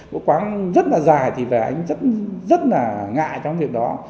một quán rất là dài thì vợ anh ấy rất là ngại trong việc đó